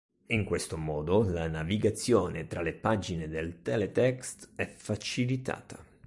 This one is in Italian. In questo modo la navigazione tra le pagine del teletext è facilitata.